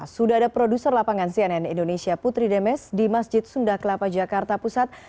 sudah ada produser lapangan cnn indonesia putri demes di masjid sunda kelapa jakarta pusat